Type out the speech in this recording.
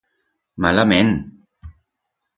Malament!